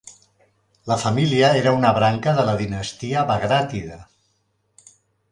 La família era una branca de la dinastia Bagràtida.